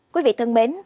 quý vị thân mến